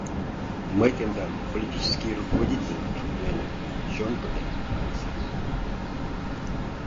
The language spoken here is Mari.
— Мый, тендам политический руководительлан шотлен, чон пытен каласем.